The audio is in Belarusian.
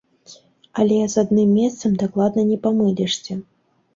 Але з адным месцам дакладна не памылішся.